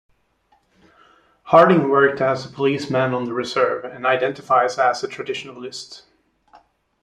Harding worked as a policeman on the reserve and identifies as a traditionalist.